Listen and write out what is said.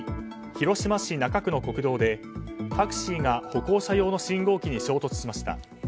広島市中区の国道で、タクシーが歩行者用の信号機に衝突しました。